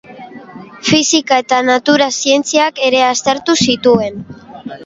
Fisika eta natura-zientziak ere aztertu zituen.